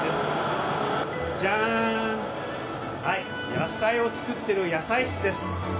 野菜を作っている野菜室です。